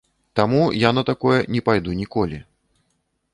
Таму я на такое не пайду ніколі.